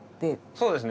そうですね